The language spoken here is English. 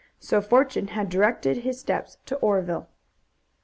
So fortune had directed his steps to Oreville.